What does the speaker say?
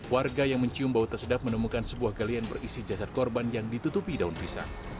warga yang mencium bau tersedap menemukan sebuah galian berisi jasad korban yang ditutupi daun pisang